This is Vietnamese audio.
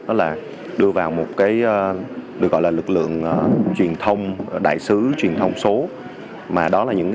đó là đưa vào một cái được gọi là lực lượng truyền thông đại sứ truyền thông số mà đó là những cái